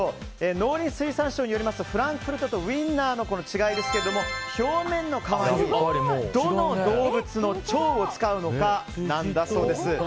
農林水産省によりますとフランクフルトとウインナーの違いですけども表面の皮にどの動物の腸を使うのかなんだそうです。